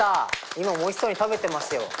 今もおいしそうに食べてますよ。